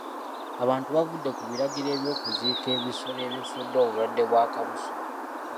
Abantu bavudde ku biragiro eby'okuziika ebisolo ebifudde obulwadde bwa kalusu.